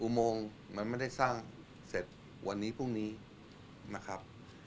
โมงมันไม่ได้สร้างเสร็จวันนี้พรุ่งนี้นะครับ